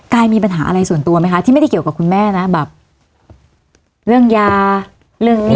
กายมีปัญหาอะไรส่วนตัวไหมคะที่ไม่ได้เกี่ยวกับคุณแม่นะแบบเรื่องยาเรื่องนี้